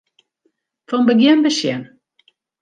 Fan begjin besjen.